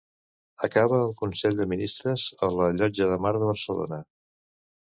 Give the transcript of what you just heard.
Acaba el Consell de Ministres a la Llotja de Mar de Barcelona.